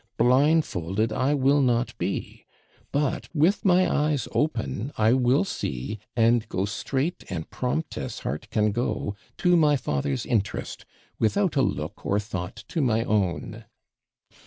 Blindfolded I will not be but, with my eyes open, I will see, and go straight and prompt as heart can go, to my father's interest, without a look or thought to my own.'